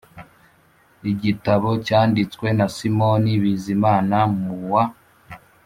igitabo cyanditswe na simon bizimana mu wa